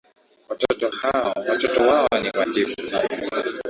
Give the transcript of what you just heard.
Watoto wao ni watiifu sana